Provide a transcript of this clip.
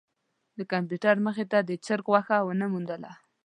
د کمپیوټر مخې ته د چرک غوښه ونه موندله.